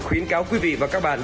khuyến cáo quý vị và các bạn